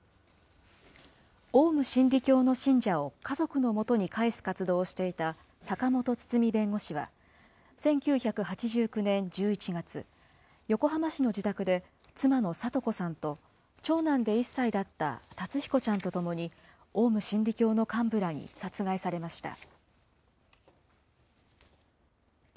オウム真理教の信者を家族のもとに返す活動をしていた坂本堤弁護士は、１９８９年１１月、横浜市の自宅で、妻の都子さんと長男で１歳だった龍彦ちゃんとともに、オウム真理教の幹部らに殺害されました。